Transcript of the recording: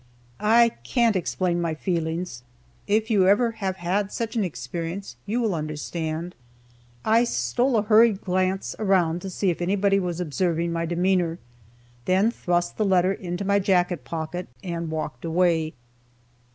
I can't explain my feelings, if you ever have had such an experience, you will understand. I stole a hurried glance around to see if anybody was observing my demeanor, then thrust the letter into my jacket pocket, and walked away.